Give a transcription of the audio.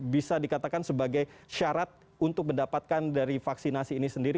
bisa dikatakan sebagai syarat untuk mendapatkan dari vaksinasi ini sendiri